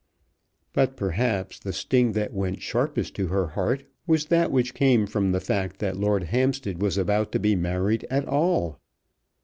But perhaps the sting that went sharpest to her heart was that which came from the fact that Lord Hampstead was about to be married at all.